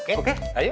terima kasih pak